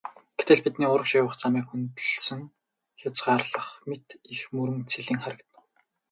Гэтэл бидний урагш явах замыг хөндөлсөн хязгаарлах мэт их мөрөн цэлийн харагдав.